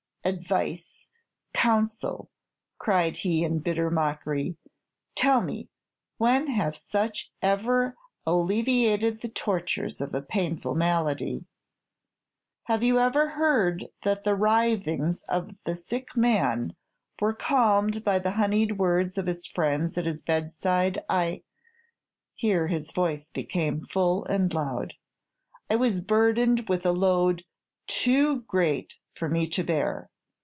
Advice, counsel!" cried he, in bitter mockery, "tell me, when have such ever alleviated the tortures of a painful malady? Have you ever heard that the writhings of the sick man were calmed by the honeyed words of his friends at the bedside? I" here his voice became full and loud "I was burdened with a load too great for me to bear.